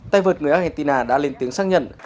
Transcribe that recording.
tay vợt người argentina đã lên tiếng xác nhận